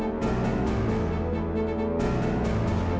characterized as three menurut kamu bukankan dukung